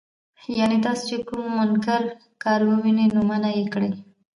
يعني تاسو چې کوم منکر کار ووينئ، نو منعه يې کړئ.